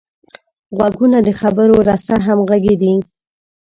غوږونه د خبرو رسه همغږي دي